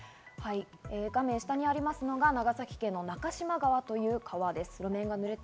画面下にありますのが長崎県の中島川という川です。